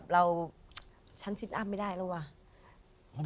พอเราฉันซินอัพไม่ได้ละว่า